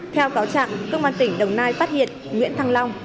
theo cáo trạng công an tỉnh đồng nai phát hiện nguyễn thăng long